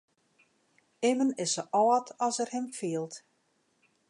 Immen is sa âld as er him fielt.